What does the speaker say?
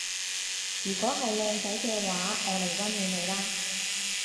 如果係靚仔嘅話我嚟溫暖你啦